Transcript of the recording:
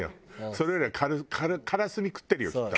それよりカラスミ食ってるよきっと。